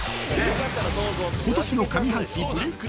［今年の上半期ブレイク